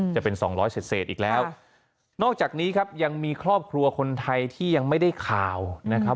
จะเป็นสองร้อยเศษอีกแล้วนอกจากนี้ครับยังมีครอบครัวคนไทยที่ยังไม่ได้ข่าวนะครับ